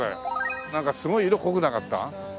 なんかすごい色濃くなかった？